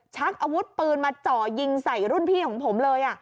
ชักอาวุธปืนมาจ่อยิงใส่รุ่นพี่ของผมเลย